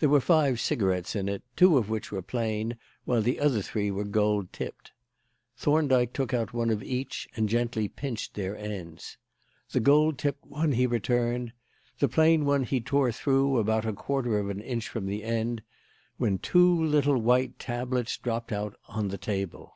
There were five cigarettes in it, two of which were plain, while the other three were gold tipped. Thorndyke took out one of each kind and gently pinched their ends. The gold tipped one he returned; the plain one he tore through, about a quarter of an inch from the end; when two little white tabloids dropped out on the table.